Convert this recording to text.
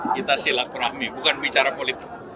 kita silat rahmi bukan bicara politik